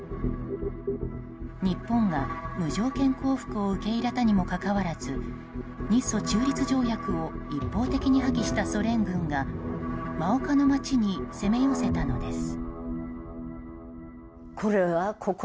日本が無条件降伏を受け入れたにもかかわらず日ソ中立条約を一方的に破棄したソ連軍が真岡の街に攻め寄せたのです。